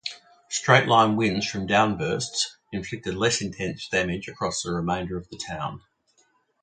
Straight-line winds from downbursts inflicted less intense damage across the remainder of town.